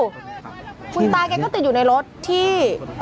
คุณตาแกก็ติดอยู่ในรถที่